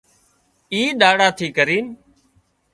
اي ۮاڙا ٿِي ڪرينَ